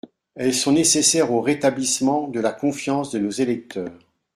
Elles sont nécessaires au rétablissement de la confiance de nos électeurs.